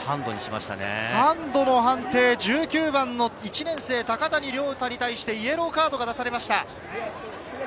１９番、１年生・高谷遼太に対してイエローカードが出されました。